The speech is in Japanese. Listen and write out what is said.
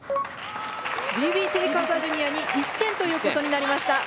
ＢＢＴＣａｓａＪｒ．に１点ということになりました。